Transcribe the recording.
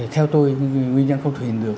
theo tôi nguyên nhân không thực hiện được